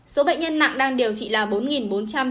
số bệnh nhân nặng đang điều trị là bốn bốn trăm tám mươi chín ca